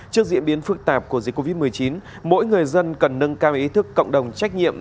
trước diễn biến phức tạp của dịch covid một mươi chín mỗi người dân cần nâng cao ý thức cộng đồng trách nhiệm